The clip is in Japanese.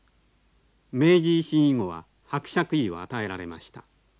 明治維新以後は伯爵位を与えられました。